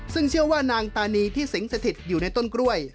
ซึ่งเชื่อว่านางตานีที่สิงสถิตอยู่ในต้นกล้วย